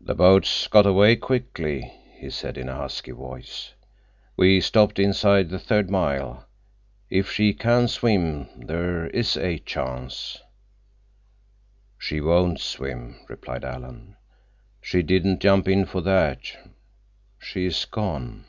"The boats got away quickly," he said in a husky voice. "We stopped inside the third mile. If she can swim—there is a chance." "She won't swim," replied Alan. "She didn't jump in for that. She is gone."